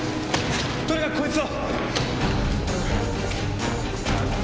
とにかくこいつを！